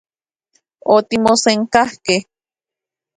Otimosenkajkej.